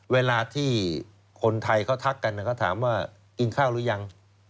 เวลาที่คนไทยเขาทักกันเขาถามว่ากินข้าวหรือยัง